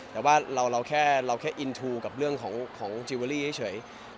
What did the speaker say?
แต่ว่าเราแค่ภูมิรักษาให้ด้วยเรื่องของพัฒนาที่เรื่องจีเวอรี่ให้เฉยเฉย